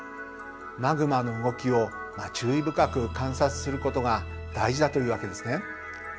マグマの動きを注意深く観察することが大事だというわけですね。